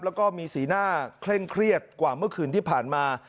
แล้วก็มีสีหน้าเคร่งเครียดกว่าเมื่อคืนที่ผ่านมา